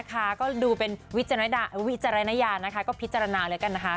ก็ดูเป็นวิจารณญาณนะคะก็พิจารณาแล้วกันนะคะ